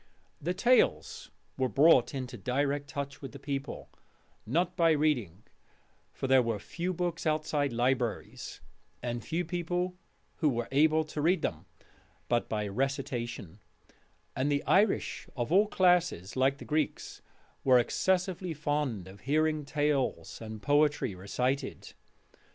The tales were brought into direct touch with the people, not by reading for there were few books outside libraries, and few people were able to read them but by Recitation: and the Irish of all classes, like the Greeks, were excessively fond of hearing tales and poetry recited.